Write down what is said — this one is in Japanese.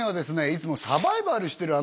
いつもサバイバルしてる